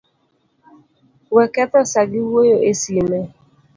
We ketho saa gi wuoyo e sime